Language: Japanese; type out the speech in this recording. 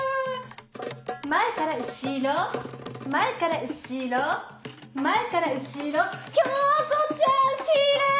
前から後ろ前から後ろ前から後ろ京子ちゃんキレイ！